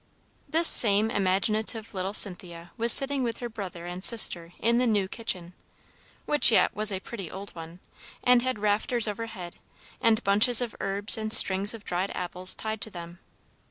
This same imaginative little Cynthia was sitting with her brother and sister in the "new kitchen," which yet was a pretty old one, and had rafters overhead, and bunches of herbs and strings of dried apples tied to them.